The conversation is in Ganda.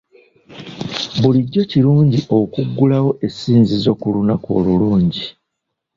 Bulijjo kirungi okuggulawo essinzizo ku lunaku olulungi.